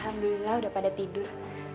alhamdulillah sudah pada tidur